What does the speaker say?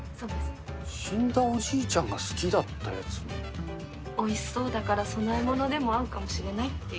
死んだおじいちゃんが好きだおいしそうだから、供え物でも合うかもしれないっていう。